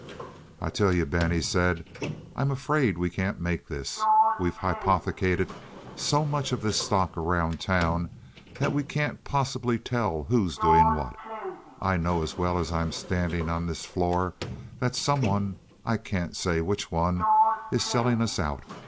"I'll tell you, Ben," he said, "I'm afraid we can't make this. We've hypothecated so much of this stock around town that we can't possibly tell who's doing what. I know as well as I'm standing on this floor that some one, I can't say which one, is selling us out.